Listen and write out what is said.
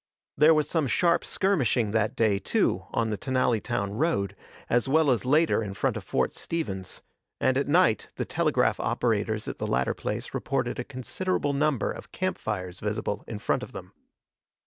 There was some sharp skirmishing that day, too, on the Tennallytown road, as well as later in front of Fort Stevens, and at night the telegraph operators at the latter place reported a considerable number of camp fires visible in front of them.